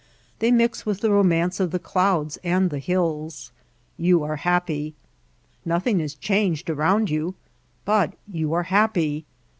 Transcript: They mix with the romance of the clouds and the hills. You are happy. Nothing is changed around you, but you are happy.